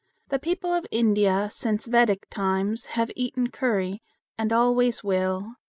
The people of India since Vedic times have eaten curry and always will.